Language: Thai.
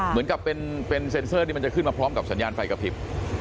เหมือนกับเป็นเซ็นเซอร์ที่มันจะขึ้นมาพร้อมกับสัญญาณไฟกระพริบ